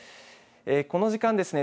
この時間ですね